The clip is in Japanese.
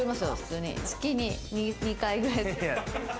月に２回くらい。